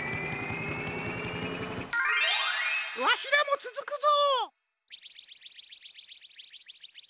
わしらもつづくぞ！